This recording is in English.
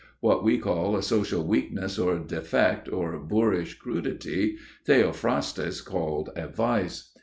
What we call a social weakness, or defect, or boorish crudity, Theophrastus called a vice.